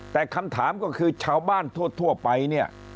แต่คำถามก็คือชาวบ้านทั่วไปเนี่ย